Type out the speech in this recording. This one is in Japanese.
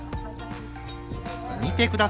見てください